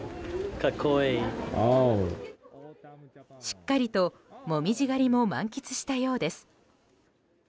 しっかりと紅葉狩りも満喫したようです。